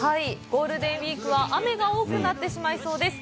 ゴールデンウイークは雨が多くなってしまいそうです。